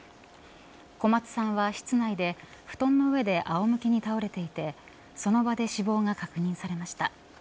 小松さんは室内で布団の上であおむけに倒れていてその場で死亡が確認されました。